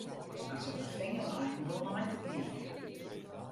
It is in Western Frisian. It is op 'e fingerseinen wol nei te gean.